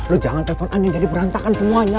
lo jangan telfon andin jadi berantakan semuanya